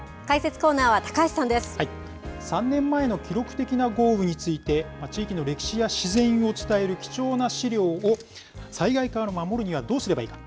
３年前の記録的な豪雨について、地域の歴史や自然を伝える貴重な資料を災害から守るにはどうすればいいか。